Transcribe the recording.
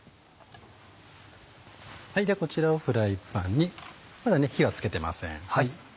ではこちらをフライパンにまだ火は付けてません。